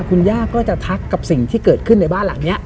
คุณย่าก็จะทักกับสิ่งที่เกิดขึ้นในบ้านหลังนี้